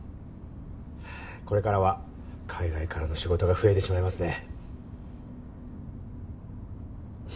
これからは海外からの仕事が増えてしまいますね。